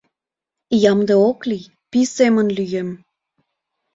Ямде ок лий — пий семын лӱем!